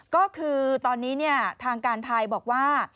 ก็คือตอนนี้ทางการไทยบอกว่า